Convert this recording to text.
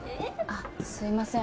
・あっすいません